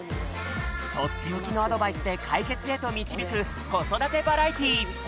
とっておきのアドバイスでかいけつへとみちびくこそだてバラエティー。